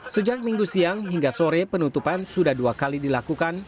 sejak minggu siang hingga sore penutupan sudah dua kali dilakukan